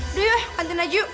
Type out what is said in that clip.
aduh yuk kantin aja yuk